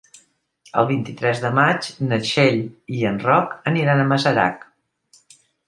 El vint-i-tres de maig na Txell i en Roc aniran a Masarac.